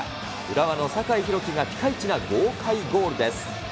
浦和の酒井宏樹がピカイチな豪快ゴールです。